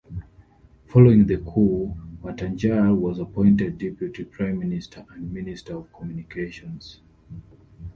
Following the coup, Watanjar was appointed deputy prime minister and minister of communications.